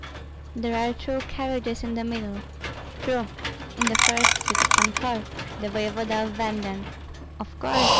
"There are two carriages in the middle." "True. In the first sits Pan Korf, the voevoda of Venden." "Of course!"